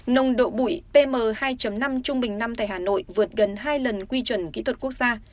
nồng độ bụi pm hai năm trung bình năm tại hà nội vượt gần hai lần quy chuẩn kỹ thuật quốc gia